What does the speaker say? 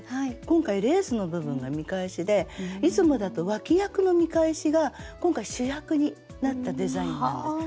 今回レースの部分が見返しでいつもだと脇役の見返しが今回主役になったデザインなんです。